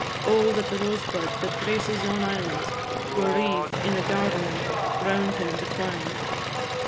Oh, that the rosebud that graces yon islands Were wreathed in a garland around him to twine!